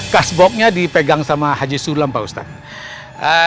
kas boknya dipegang sama haji surla pak ustadz